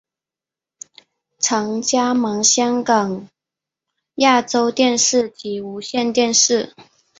曾加盟香港亚洲电视及无线电视。